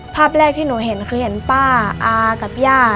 ภาพแรกที่หนูเห็นคือเห็นป้าอากับย่า